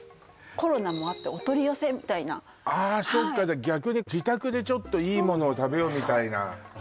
コロナもあってお取り寄せみたいなあっそっか逆に自宅でちょっといいものを食べようみたいなそうそう